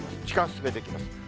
時間進めていきます。